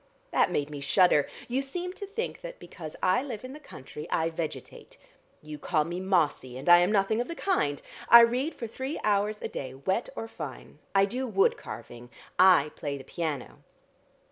That made me shudder. You seem to think that, because I live in the country, I vegetate. You call me mossy, and I am nothing of the kind. I read for three hours a day, wet or fine. I do wood carving, I play the piano."